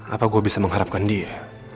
apa gue bisa mengharapkan dia